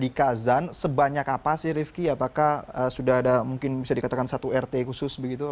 di kazan sebanyak apa sih rifki apakah sudah ada mungkin bisa dikatakan satu rt khusus begitu